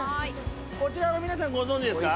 こちらは皆さんご存じですか？